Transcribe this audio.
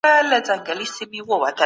امنیتي ځواکونه د فزیکي زور یوه بېلګه ده.